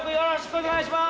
お願いします。